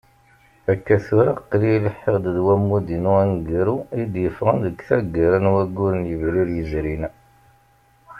Akka tura aql-i lhiɣ-d d wammud-inu aneggaru I d-yeffɣen deg taggara n wayyur n yebrir yezrin.